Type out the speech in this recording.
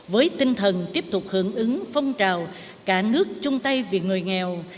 với tinh thần tiếp tục hưởng ứng phong trào cả nước chung tay vì người nghèo